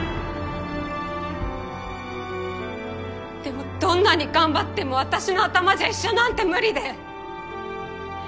でもどんなに頑張っても私の頭じゃ医者なんて無理で。